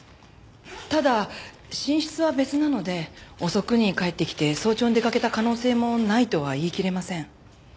ただ寝室は別なので遅くに帰ってきて早朝に出かけた可能性もないとは言いきれません。